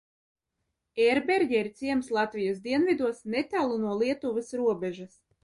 Ērberģe ir ciems Latvijas dienvidos, netālu no Lietuvas robežas.